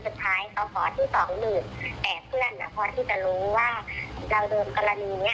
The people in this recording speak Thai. เพราะว่ามันติดคุกมันสงสารไม่ได้เพราะตอนนั้นโดนวันที่๓ตลาดกระดาษวันศุกร์ค่ะ